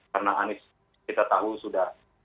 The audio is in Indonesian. karena anis kita tahu sudah